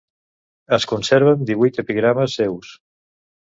Es conserven divuit epigrames seus.